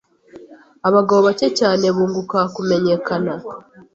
Abagabo bake cyane bunguka kumenyekana